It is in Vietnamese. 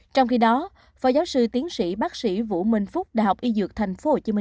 trong khi đó phó giáo sư tiến sĩ bác sĩ vũ minh phúc đh y dược tp hcm